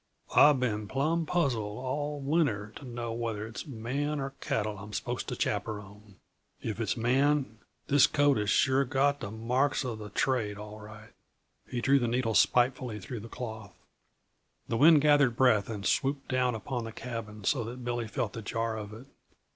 "I've been plumb puzzled, all winter, to know whether it's man or cattle I'm supposed to chappyrone. If it's man, this coat has sure got the marks uh the trade, all right." He drew the needle spitefully through the cloth. The wind gathered breath and swooped down upon the cabin so that Billy felt the jar of it.